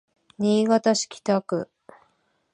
新潟市北区